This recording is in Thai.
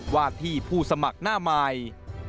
ว่าที่ผู้สมัครหน้าใหม่